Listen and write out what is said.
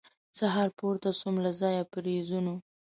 سهار پورته سوم له ځایه په رېزونو